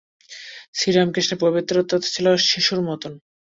শ্রীরামকৃষ্ণের পবিত্রতা ছিল শিশুর মত।